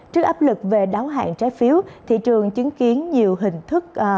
trước áp lực về đáo hạn trái phiếu thị trường chứng kiến nhiều hình thức